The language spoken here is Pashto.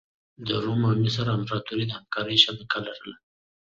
د روم او مصر امپراتوري د همکارۍ شبکه لرله.